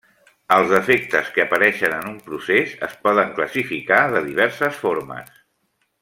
Els defectes que apareixen en un procés es poden classificar de diverses formes.